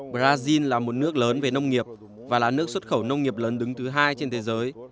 brazil là một nước lớn về nông nghiệp và là nước xuất khẩu nông nghiệp lớn đứng thứ hai trên thế giới